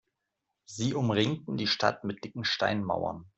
Sie umringten die Stadt mit dicken Steinmauern.